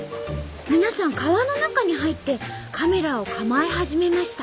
皆さん川の中に入ってカメラを構え始めました。